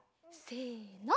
せの。